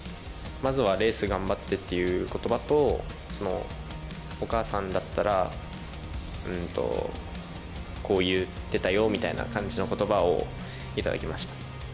まずはレース頑張ってという言葉とお母さんだったらこう言ってたよみたいな言葉をいただきました。